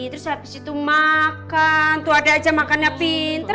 terus habis itu makan tuh ada aja makannya pinter